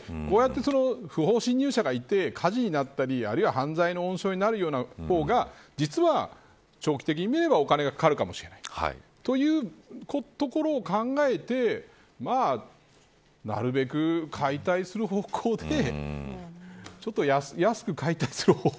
つまり、こうやって不法侵入者がいて火事になったりあるいは犯罪の温床になる方が実は長期的に見ればお金がかかるかもしれないというところを考えてなるべく解体する方向で安く解体する方法